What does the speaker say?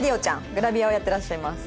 グラビアをやってらっしゃいます。